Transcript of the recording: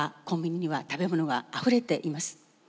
コンビニには食べ物があふれています。